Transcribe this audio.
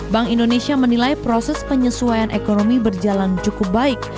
bank indonesia menilai proses penyesuaian ekonomi berjalan cukup baik